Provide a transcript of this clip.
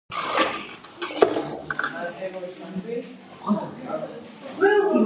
გუნდმა ეს ტიტული მომდევნო სეზონშიც დაიცვა.